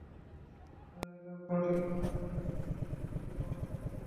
দৈনন্দিন কাজগুলো ঠিকমতো করার জন্যই নিজের দিকে একটু যত্নবান হওয়া প্রয়োজন।